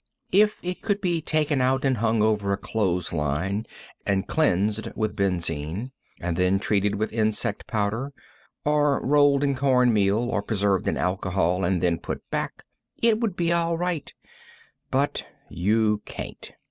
If it could be taken out, and hung over a clothes line and cleansed with benzine, and then treated with insect powder, or rolled in corn meal, or preserved in alcohol, and then put back, it would be all right; but you can't.